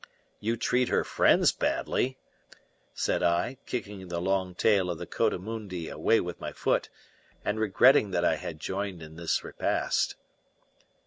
"You treat her friends badly," said I, kicking the long tail of the coatimundi away with my foot, and regretting that I had joined in his repast.